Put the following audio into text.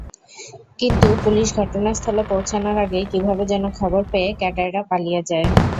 কিন্তু পুলিশ ঘটনাস্থলে পৌঁছানোর আগেই কীভাবে যেন খবর পেয়ে ক্যাডাররা পালিয়ে যায়।